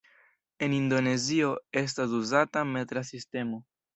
En Indonezio estas uzata metra sistemo.